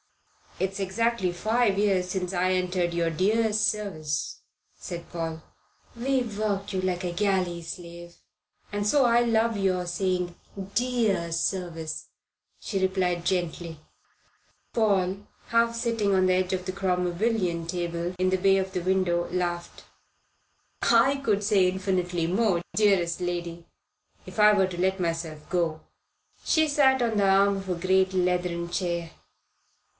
"It's exactly five years since I entered your dear service," said Paul. "We've worked you like a galley slave, and so I love your saying 'dear service,'" she replied gently. Paul, half sitting on the edge of the Cromwellian table in the bay of the window, laughed. "I could say infinitely more, dearest lady, if I were to let myself go." She sat on the arm of a great leathern chair.